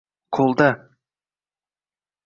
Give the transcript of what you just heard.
Qo’lda —